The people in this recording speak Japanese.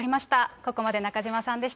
ここまで中島さんでした。